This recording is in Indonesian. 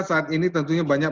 saat ini tentunya banyak